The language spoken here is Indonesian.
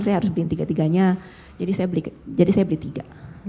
saya harus beli tiga tiganya jadi saya beli tiga